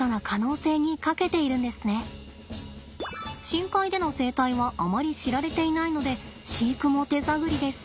深海での生態はあまり知られていないので飼育も手探りです。